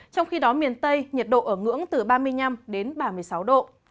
trong khi đó miền tây nhiệt độ ở ngưỡng từ ba mươi năm đến ba mươi sáu độ